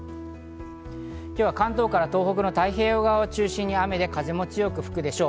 今日は関東から東北の太平洋側を中心に雨で風も強く吹くでしょう。